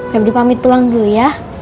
febri pamit pulang dulu ya